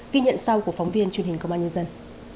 ghi nhận sau của phóng viên truyền hình công an nhân dân